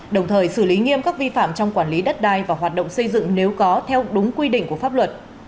đồng thời xử lý nghiêm các vi phạm trong quản lý đất đai và hoạt động xây dựng nếu có theo đúng quy định của pháp luật